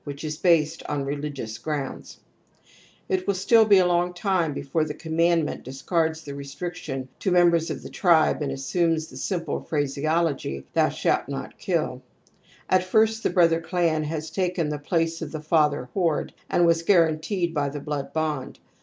wKich is based oiTreligioiis^Q] long timebeJore the command ment discards the restriction to members of the tribe and assumes the simple phraseology : [iociriWUU^^ Thou shalt not kill. At first the brother clan has taken the place of the father horde and was guaranteed by the blood bond.